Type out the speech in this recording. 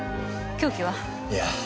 凶器は？いや。